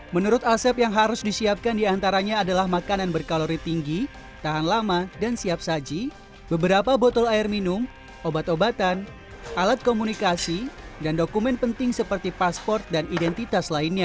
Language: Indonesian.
menurut asep yang harus disiapkan diantaranya adalah makanan berkalori tinggi tahan lama dan siap saji beberapa botol air minum obat obatan alat komunikasi dan dokumen penting seperti pasport dan identitas lainnya